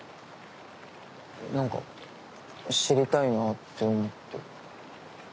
なんか知りたいなぁって思って。